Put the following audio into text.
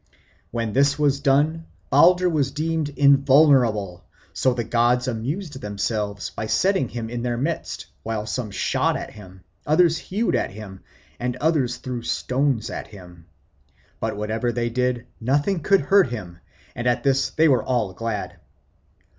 When this was done Balder was deemed invulnerable; so the gods amused themselves by setting him in their midst, while some shot at him, others hewed at him, and others threw stones at him. But whatever they did, nothing could hurt him; and at this they were all glad.